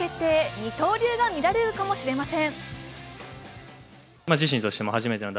二刀流が見られるかもしれません。